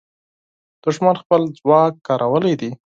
دښمن خپل ځواک کارولی دی.